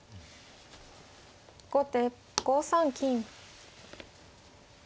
後手５三金。